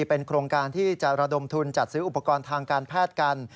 เป็นโครงการที่จะระดมทุนจัดซื้ออุปกรณ์ทางการแพทย์กัน